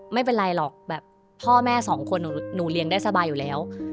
ไม่เป็นไรหรอกแบบพ่อแม่สองคนหนูเลี้ยงได้สบายอยู่แล้ว